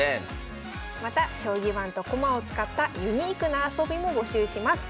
また将棋盤と駒を使ったユニークな遊びも募集します。